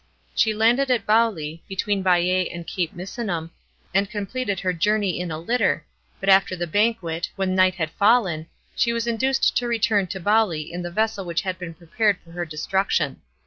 She landed at Bauli, between Baias and Cape Misenum, and completed her journey in a litter, but after the banquet, when night had f lien, she was induced to return to Bauli in the vessel which had been prepared for her destruction.